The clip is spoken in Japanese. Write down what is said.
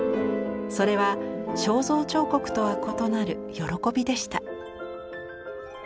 それは肖像彫刻とは異なる「喜び」でした。